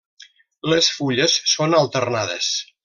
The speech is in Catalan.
Les fulles són alternades.